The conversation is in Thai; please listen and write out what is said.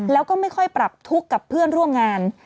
แล้วก็ไม่ค่อยปรับทุกข์กับเพื่อนร่วมงาน